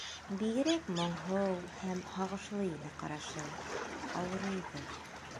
Бигерәк моңһоу һәм һағышлы ине ҡарашы, ауырыйҙыр.